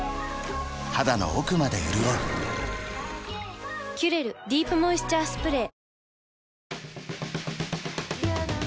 肌の奥まで潤う「キュレルディープモイスチャースプレー」